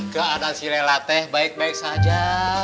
keadaan si lela teh baik baik saja